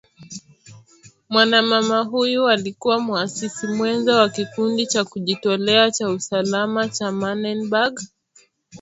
mwanamama huyu alikuwa muasisi mwenza wa Kikundi cha kujitolea cha Usalama cha Manenberg